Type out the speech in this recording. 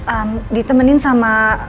ehm ditemenin sama